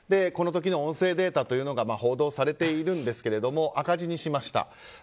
この時の音声データが報道されているんですけれども赤字にしました。